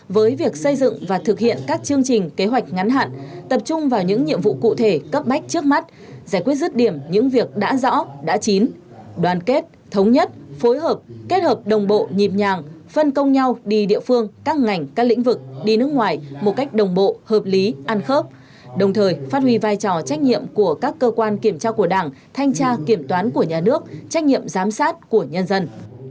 với việc xây dựng và thực hiện các chương trình kế hoạch ngắn hạn tập trung vào những nhiệm vụ cụ thể cấp bách trước mắt giải quyết rứt điểm những việc đã rõ đã chín đoàn kết thống nhất phối hợp kết hợp đồng bộ nhịp nhàng phân công nhau đi địa phương các ngành các lĩnh vực đi nước ngoài một cách đồng bộ hợp lý ăn khớp đồng thời phát huy vai trò trách nhiệm của các cơ quan kiểm tra của đảng thanh tra kiểm toán của nhà nước trách nhiệm giám sát của nhân dân